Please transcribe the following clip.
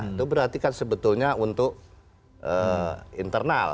itu berarti kan sebetulnya untuk internal